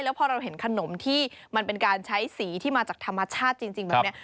แล้วพอเราเห็นขนมที่มันเป็นการใช้สีที่มาจากธรรมชาติจริงแบบนี้